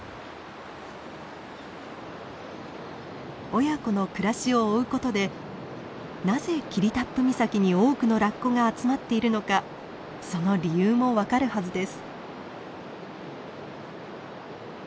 親子の暮らしを追うことでなぜ霧多布岬に多くのラッコが集まっているのかその理由も分かるはずです。